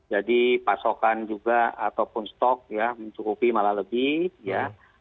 jadi pasokan juga ataupun stok ya mencukupi malah lebih ya